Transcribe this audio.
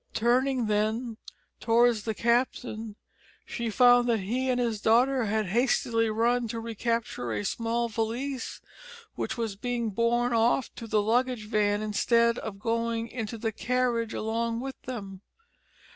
Turning, then, towards the captain she found that he and his daughter had hastily run to recapture a small valise which was being borne off to the luggage van instead of going into the carriage along with them.